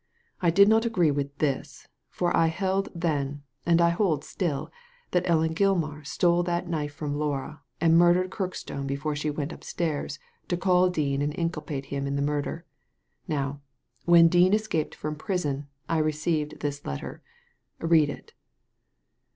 I did not agree with this, for I held then, and I hold still, that Ellen Gilmar stole that knife from Laura, and mur dered Kirkstone before she went upstairs to call Dean and inculpate him in the murder. Now, when Dean escaped from prison I received this letter ; read it."